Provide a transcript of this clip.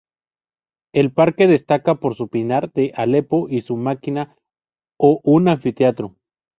El parque destaca por su pinar de Aleppo y su maquia o un anfiteatro.